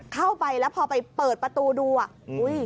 เข้าไปแล้วพอไปเปิดประตูดู